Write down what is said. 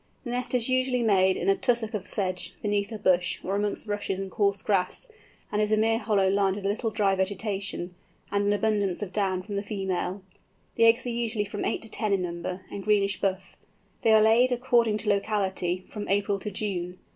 The nest is usually made in a tussock of sedge, beneath a bush, or amongst rushes and coarse grass, and is a mere hollow lined with a little dry vegetation, and an abundance of down from the female. The eggs are usually from eight to ten in number, and greenish buff. They are laid, according to locality, from April to June.